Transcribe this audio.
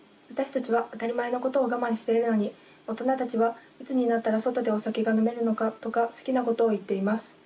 私たちは当たり前のことを我慢しているのに大人たちはいつになったら外でお酒が飲めるのかとか好きなことを言っています。